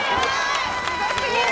すご過ぎる！